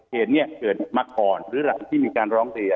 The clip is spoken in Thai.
เหตุนี้เกิดมาก่อนหรือหลังที่มีการร้องเรียน